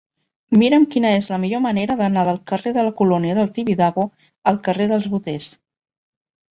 Mira'm quina és la millor manera d'anar del carrer de la Colònia del Tibidabo al carrer dels Boters.